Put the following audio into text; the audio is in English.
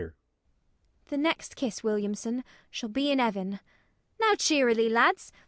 The next kiss, Williamson, shall be in heaven. Now cheerily, lads!